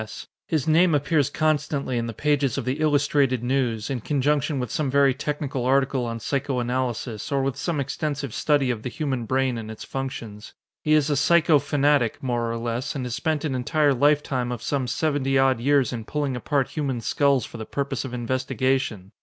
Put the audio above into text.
S. His name appears constantly in the pages of the Illustrated News, in conjunction with some very technical article on psycho analysis or with some extensive study of the human brain and its functions. He is a psycho fanatic, more or less, and has spent an entire lifetime of some seventy odd years in pulling apart human skulls for the purpose of investigation.